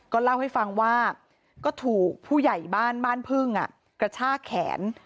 เล่าให้ฟังว่าก็ถูกผู้ใหญ่บ้านบ้านพึ่งกระชากแขน